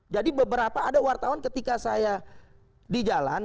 jadi beberapa ada wartawan ketika saya di jalan